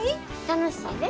楽しいで。